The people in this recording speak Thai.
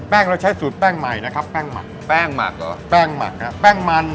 เราใช้สูตรแป้งใหม่นะครับแป้งหมักแป้งหมักเหรอแป้งหมักครับแป้งมัน